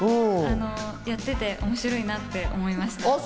やってて面白いなって思いました。